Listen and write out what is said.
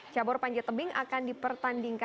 cabur panjat tebing akan dipertandingkan